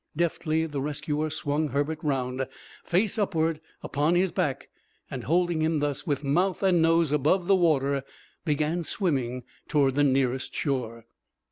Deftly the rescuer swung Herbert round, face upward, upon his back, and, holding him thus, with mouth and nose above the water, began swimming toward the nearest shore.